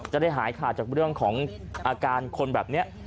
จะได้หายขาดจากเรื่องของอาการคนแบบนี้